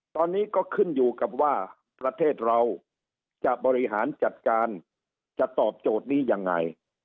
ตอนนี้ก็ขึ้นอยู่กับว่าประเทศเราจะบริหารจัดการจะตอบโจทย์นี้ยังไง